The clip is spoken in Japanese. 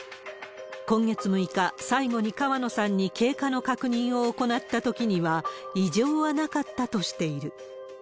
今月６日、最後に川野さんに経過の確認を行ったときには、異常はなかったとしている。